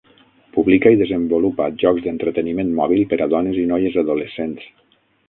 Publica i desenvolupa jocs d'entreteniment mòbil per a dones i noies adolescents.